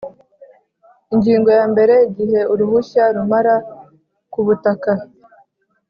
Ingingo ya mbere Igihe uruhushya rumara kubutaka